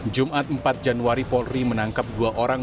jumat empat januari polri menangkap dua orang